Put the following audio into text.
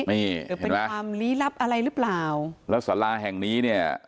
นี่หรือเป็นความลี้ลับอะไรหรือเปล่าแล้วสาราแห่งนี้เนี่ย